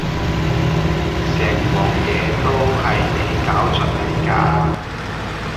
成鑊嘢都係你搞出嚟㗎